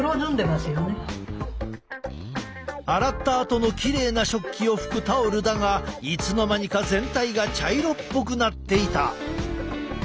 洗ったあとのきれいな食器を拭くタオルだがいつの間にか全体が茶色っぽくなっていた。